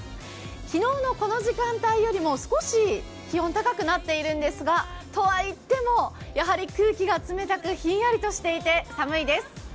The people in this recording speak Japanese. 昨日のこの時間帯よりも少し気温高くなっているんですがとは言ってもやはり空気が冷たくひんやりとしていて寒いです。